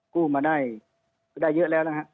กู้มาได้ได้เยอะแล้วนะครับ